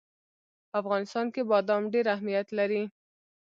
په افغانستان کې بادام ډېر اهمیت لري.